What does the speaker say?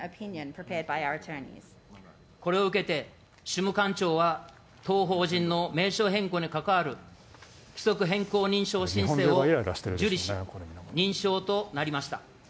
これを受けて、主務官庁は当法人の名称変更にかかわる規則変更認証申請を受理し、認証となりました。